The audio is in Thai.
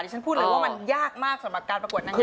ฉันพูดเลยว่ามันยากมากสำหรับการประกวดนางงาม